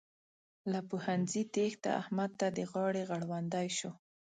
له پوهنځي تېښته؛ احمد ته د غاړې غړوندی شو.